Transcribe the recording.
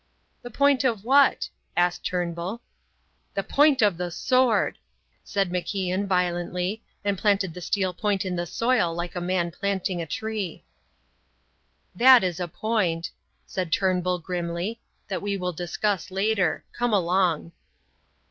"The point of what?" asked Turnbull. "The point of the sword," said MacIan, violently, and planted the steel point in the soil like a man planting a tree. "That is a point," said Turnbull, grimly, "that we will discuss later. Come along."